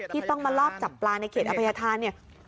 ที่ต้องมาลอบจับปลาในเขตอภัยธานเนี่ย